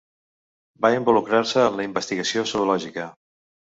Va involucrar-se en l'investigació zoològica.